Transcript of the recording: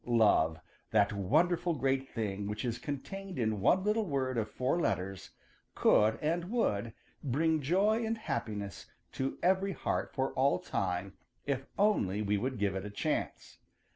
Love, that wonderful great thing which is contained in one little word of four letters, could and would bring joy and happiness to every heart for all time if only we would give it a chance.